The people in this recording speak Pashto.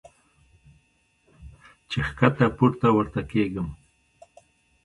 چې ښکته پورته ورته کېږم -